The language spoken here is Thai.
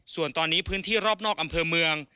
ส่วนตอนนี้พื้นที่รอบนอกอำเภอเมือง